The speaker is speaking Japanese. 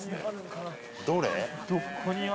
どれ？